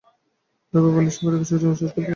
ভয়াবহ পানি সংকটে কৃষকেরা জমি চাষ করতে পারছেন না।